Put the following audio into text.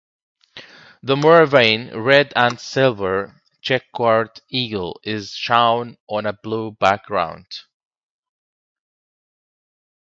The Moravian red-and-silver chequered eagle is shown on a blue background.